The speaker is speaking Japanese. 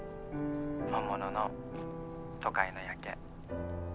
本物の都会の夜景。